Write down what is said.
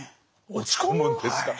落ち込むんですか。